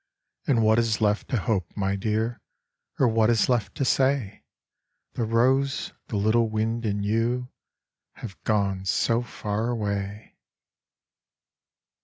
And what is left to hope, my dear, Or what is left to say? The rose, the little wind and you Have gone so far away.